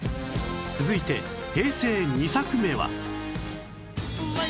続いて平成２作目は